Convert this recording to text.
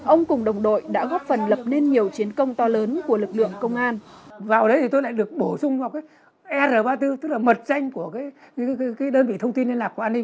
ông cùng đồng đội đã góp phần lập nên nhiều chiến công to lớn của lực lượng công an